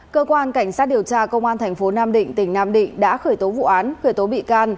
cơ quan cảnh sát điều tra công an thành phố nam định tỉnh nam định đã khởi tố vụ án khởi tố bị can